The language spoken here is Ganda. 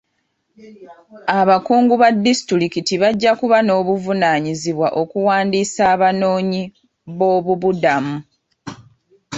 Abakungu ba disitulikiti bajja kuba n'obuvunaanyizibwa okuwandiisa abanoonyi boobubudamu.